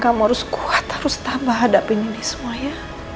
kamu harus kuat harus tambah hadapin ini semua ya